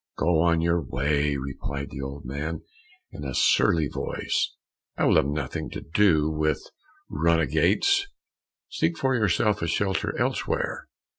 "Go your way," replied the old man in a surly voice, "I will have nothing to do with runagates; seek for yourself a shelter elsewhere."